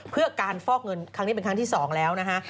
เพื่อการฟอกเงินครั้งนี้เป็นครั้งที่๒แล้วนะฮะ